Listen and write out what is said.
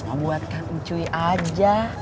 mau buat kan cuy aja